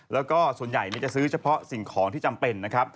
แล้วก็ส่วนใหญ่จะซื้อเฉพาะสิ่งของที่จำเป็นนะครับ